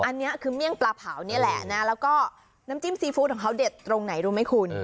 อันนี้คือเมี่ยงปลาเผานี่แหละนะแล้วก็น้ำจิ้มซีฟู้ดของเขาเด็ดตรงไหนรู้ไหมคุณ